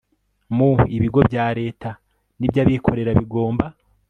muibigo bya leta n iby abikorera bigomba